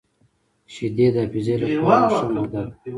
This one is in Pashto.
• شیدې د حافظې لپاره هم ښه ماده ده.